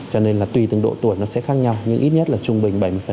cho nên là tùy từng độ tuổi nó sẽ khác nhau nhưng ít nhất là trung bình bảy mươi